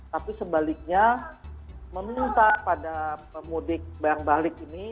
tapi sebaliknya meminta pada pemudik yang balik ini